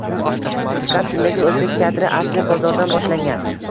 Gap shundaki, o‘zbek teatri asli bozordan boshlangan